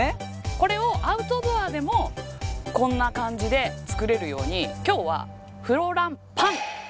これをアウトドアでもこんな感じで作れるように今日はフロランパンにしたいと思います。